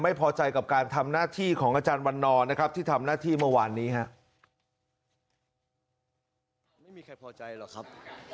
ไม่พอใจกับการทำหน้าที่ของอาจารย์วันนอนนะครับที่ทำหน้าที่เมื่อวานนี้ครับ